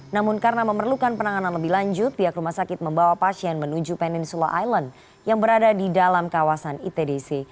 namun karena memerlukan penanganan lebih lanjut pihak rumah sakit membawa pasien menuju peninsula island yang berada di dalam kawasan itdc